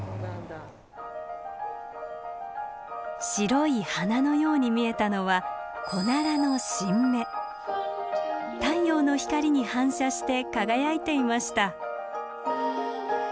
白い花のように見えたのは太陽の光に反射して輝いていました。